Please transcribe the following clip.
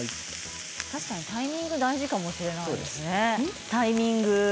確かにタイミング大事かもしれないですね。